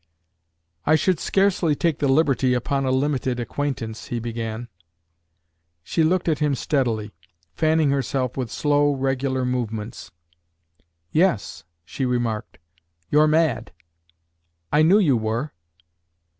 "I should scarcely take the liberty upon a limited acquaintance," he began. She looked at him steadily, fanning herself with slow, regular movements. "Yes," she remarked. "You're mad. I knew you were."